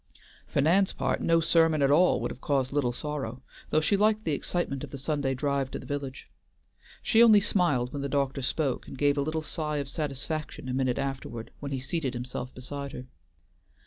For Nan's part, no sermon at all would have caused little sorrow, though she liked the excitement of the Sunday drive to the village. She only smiled when the doctor spoke, and gave a little sigh of satisfaction a minute afterward when he seated himself beside her.